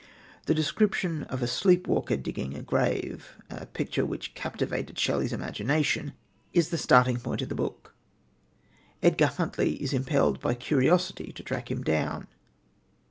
The description of a sleepwalker digging a grave a picture which captivated Shelley's imagination is the starting point of the book. Edgar Huntly is impelled by curiosity to track him down.